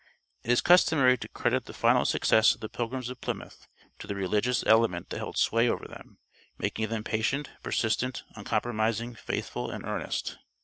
It is customary to credit the final success of the Pilgrims of Plymouth to the religious element that held sway over them, making them patient, persistent, uncompromising, faithful, and earnest.